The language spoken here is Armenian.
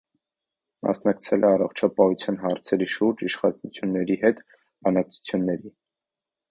Մասնակցել է առողջապահության հարցերի շուրջ իշխանությունների հետ բանակցություններին։